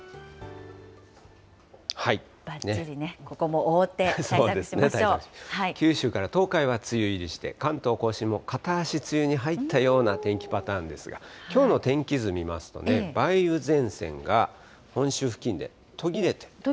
ばっちりね、ここも覆って、九州から東海は梅雨入りして、関東甲信も片足、梅雨に入ったような天気パターンですが、きょうの天気図見ますとね、梅雨前線が本州付近で途切れてるんですね。